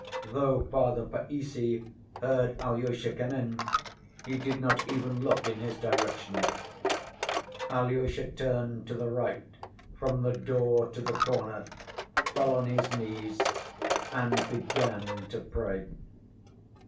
Though Father Païssy heard Alyosha come in, he did not even look in his direction. Alyosha turned to the right from the door to the corner, fell on his knees and began to pray.